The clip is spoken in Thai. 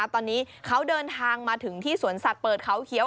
ตอนนี้เขาเดินทางมาถึงที่สวนสัตว์เปิดเขาเขียว